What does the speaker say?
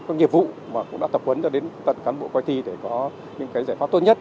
có nhiệm vụ mà cũng đã tập huấn cho đến tận cán bộ quay thi để có những giải pháp tốt nhất